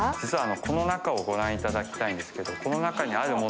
この中をご覧いただきたいんです。